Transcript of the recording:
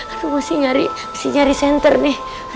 aduh mesti nyari mesti nyari senter nih